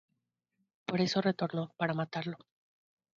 Por eso retornó; para matarlo.